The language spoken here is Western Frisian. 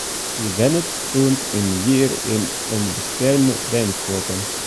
Sy wennet sûnt in jier yn in beskerme wenfoarm.